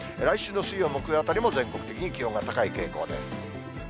来週の水曜、木曜あたりも全国的に気温が高い傾向です。